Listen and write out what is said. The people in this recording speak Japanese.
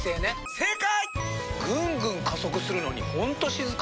正解！